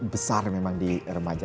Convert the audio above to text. besar memang di remaja